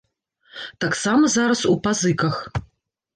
Таксама зараз у пазыках.